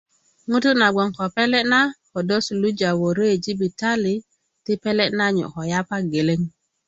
ŋutu na gboŋ ko pele' na ködö suluja wörö i jibitali ti pele' na nyu ko yapa geleŋ